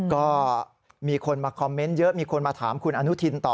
ก็มีคนมาคอมเมนต์เยอะมีคนมาถามคุณอนุทินต่อ